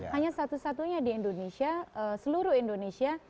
hanya satu satunya di indonesia seluruh indonesia